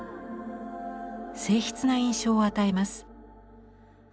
静謐な印象を与えます。